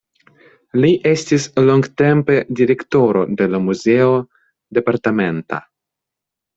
Li estis longtempe direktoro de la muzeo departementa.